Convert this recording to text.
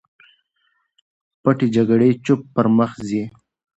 پټې جګړې چوپ پر مخ ځي.